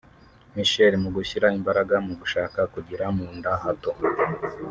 Michelle mu gushyira imbaraga mu gushaka kugira mu nda hato